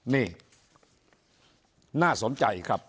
นี่น่าสนใจครับ